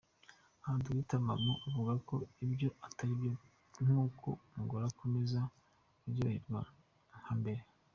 Aha Dr Momoun avuga ko ibyo ataribyo nkuko umugore akomeza kuryoherwa nka mbere.